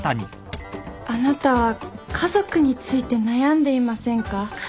あなたは家族について悩んでいませんか？